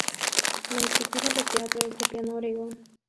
La estructura del teatro es de pino oregón.